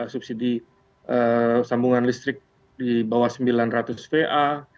subsidi sambungan listrik di bawah sembilan ratus va